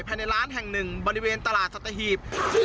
ภายในร้านแห่งหนึ่งบริเวณตลาดสัตหีบ